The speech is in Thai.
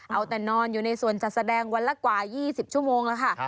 เอาแต่นอนอยู่ในส่วนจัดแสดงวันละกว่า๒๐ชั่วโมงแล้วค่ะ